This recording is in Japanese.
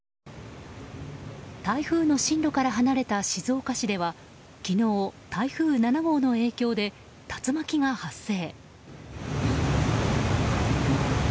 台風の進路から離れた静岡市では昨日、台風７号の影響で竜巻が発生。